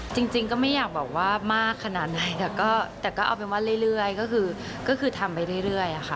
จริงก็ไม่อยากบอกว่ามากขนาดไหนแต่ก็เอาเป็นว่าเรื่อยก็คือทำไปเรื่อยค่ะ